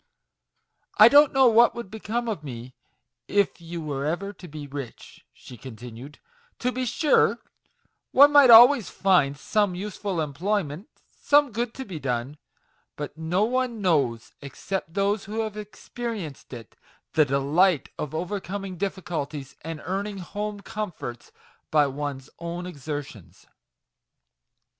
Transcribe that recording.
I don't know what would be 20 MAGIC WORDS. come of me if you were ever to be rich/' she continued; "to be sure, one might always find some useful employment, some good to be done; but no one knows, except those who have experienced it, the delight of overcoming difficulties, and earning home comforts by one's own exertions."